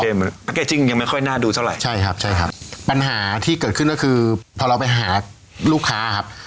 โอเคจริงไม่ค่อยน่าดูเท่าไรใช่ครับปัญหาที่เกิดขึ้นก็คือตอนเราไปหาลูกค้าครับ